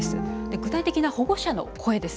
具体的な保護者の声です。